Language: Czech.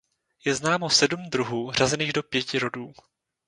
Je známo sedm druhů řazených do pěti rodů.